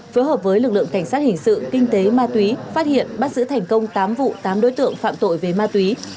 phối hợp với lực lượng cảnh sát hình sự kinh tế ma túy phát hiện bắt giữ thành công tám vụ tám đối tượng phạm tội về ma túy